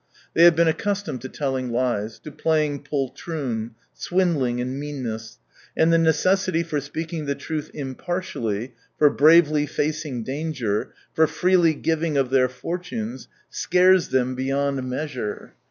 They have been accustomed to telling lies, to playing pol troon, swindling, and meanness, and the necessity for speaking the truth impartially, for bravely facing danger, for freely giving of their fortunes scares them beyond measure.